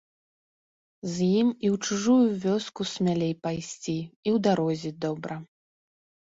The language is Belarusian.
З ім і ў чужую вёску смялей пайсці, і ў дарозе добра.